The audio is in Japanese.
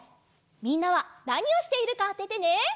みんなはなにをしているかあててね。